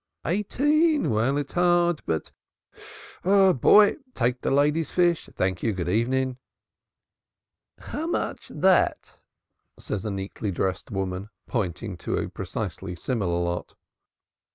Eighteen? Well, it's hard, but boy! take the lady's fish. Thank you. Good evening." "How much that?" says a neatly dressed woman, pointing to a precisely similar lot.